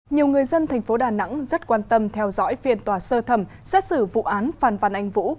nhiều người dân thành phố đà nẵng rất quan tâm theo dõi phiên tòa sơ thẩm xét xử vụ án phan văn anh vũ